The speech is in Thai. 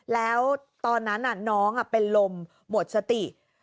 แล้วตอนนั้นน้องเป็นลมหมดสติ